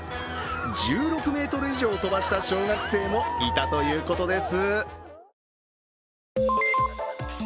１６ｍ以上飛ばした小学生もいたということです。